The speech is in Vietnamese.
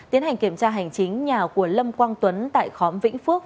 tiến hành kiểm tra hành chính nhà của lâm quang tuấn tại khóm vĩnh phước